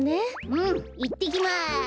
うんいってきます！